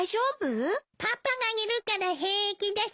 パパがいるから平気です。